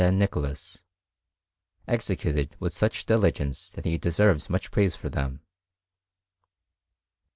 Nicholas, executed with such diligence that he deserves much praise for them.